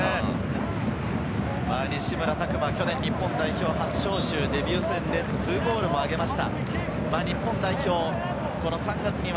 西村拓真、去年、日本代表初招集、デビュー戦で２ゴールをあげました。